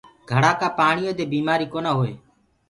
گھڙآ ڪآ پآڻيو دي ڪآ بيمآري ڪونآ هوئي۔